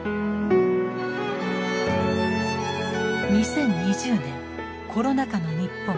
２０２０年コロナ禍の日本。